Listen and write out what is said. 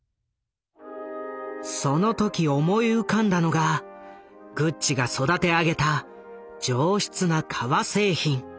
その時思い浮かんだのがグッチが育て上げた上質な革製品。